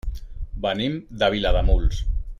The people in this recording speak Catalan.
Venim de Vilademuls.